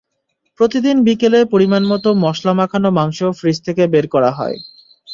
প্রতিদিন বিকেলে পরিমাণমতো মসলা মাখানো মাংস ফ্রিজ থেকে বের করা হয়।